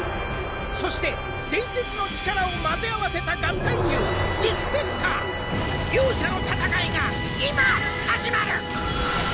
そして伝説の力を混ぜ合わせた合体獣ディスペクター。両者の戦いが今始まる！